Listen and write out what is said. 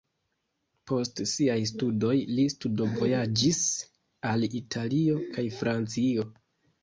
Post siaj studoj li studvojaĝis al Italio kaj Francio.